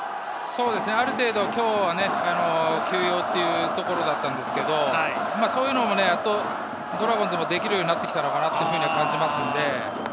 ある程度、今日は休養というところだったんですけれど、そういうのもやっとドラゴンズもできるようになってきたなという感じがします。